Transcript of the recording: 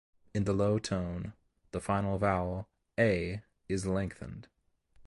In the low tone, the final vowel "a" is lengthened.